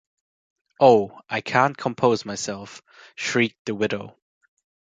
“Oh, I can’t compose myself,” shrieked the widow.